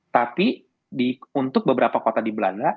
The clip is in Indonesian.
tapi untuk beberapa kota di belanda